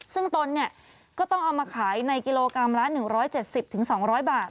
ซึ่งตนเนี่ยก็ต้องเอามาขายในกิโลกรัมละหนึ่งร้อยเจ็ดสิบถึงสองร้อยบาท